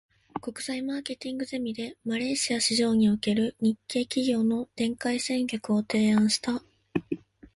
国際マーケティングゼミで、マレーシア市場における日系企業の展開戦略を提案した。